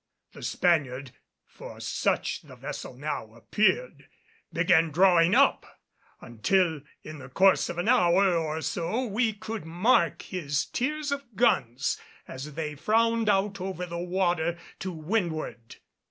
The Spaniard, for such the vessel now appeared, began drawing up, until in the course of an hour or so we could mark his tiers of guns as they frowned out over the water to windward.